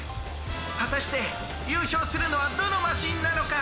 はたしてゆうしょうするのはどのマシンなのか！？